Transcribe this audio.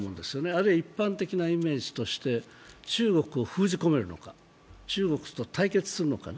あるいは一般的なイメージとして、中国を封じ込めるのか、中国と対決するのか。